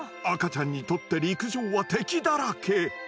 赤ちゃんにとって陸上は敵だらけ。